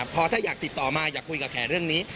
พอถ้าอยากติดต่อมาอยากคุยกับแขกเรื่องนี้